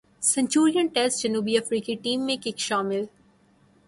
Centurion test جنوبی افریقی team میں کک شامل